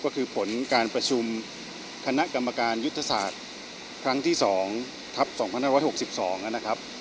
ก็คือผลการประชุมคณะกรรมการยุทธศาสตร์ครั้งที่๒ทัพ๒๕๖๒นะครับ